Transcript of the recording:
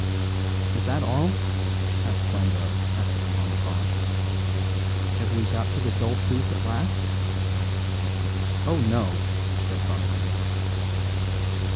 "Is that all?" asked Flambeau after a long pause. "Have we got to the dull truth at last?" "Oh, no," said Father Brown.